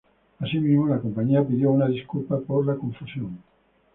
Asimismo, la compañía pidió una disculpa por la confusión.